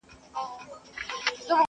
چاویل تریخ دی عجب خوږ دغه اواز دی،